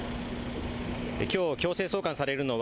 今日、強制送還されるのは